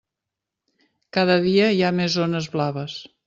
Cada dia hi ha més zones blaves.